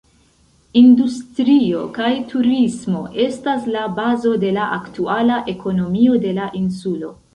Industrio kaj turismo estas la bazo de la aktuala ekonomio de la insulo.